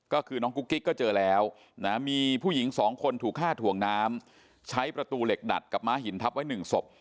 ก็คือน้องกุ๊กกิ๊กก็เจอแล้วนะมีผู้หญิงสองคนถูกฆ่าถ่วงน้ำใช้ประตูเหล็กดัดกับม้าหินทับไว้หนึ่งศพ